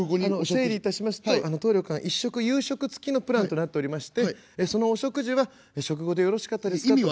「あの整理いたしますと当旅館１食夕食付きのプランとなっておりましてそのお食事は食後でよろしかったですか？」。